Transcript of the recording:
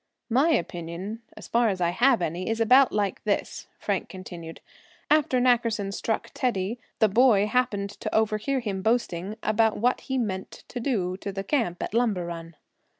"My opinion, as far as I have any, is about like this," Frank continued. "After Nackerson struck Teddy the boy happened to overhear him boasting about what he meant to do to the camp at Lumber Run."